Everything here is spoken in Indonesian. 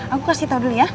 aku kasih tau dulu ya